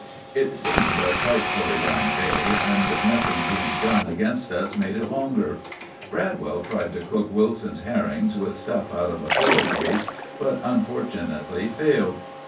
It seemed a frightfully long day, and nothing being done against us made it longer. Bradwell tried to cook Wilson's herrings with stuff out of a pillow case, but unfortunately failed.